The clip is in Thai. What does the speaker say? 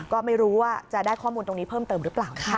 ก็ไม่รู้ว่าจะได้ข้อมูลตรงนี้เพิ่มเติมหรือเปล่านะคะ